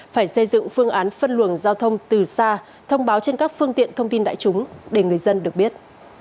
phải xây dựng phương án phân luồng giao thông từ xa thông báo trên các phương tiện thông tin đại chúng để người dân được biết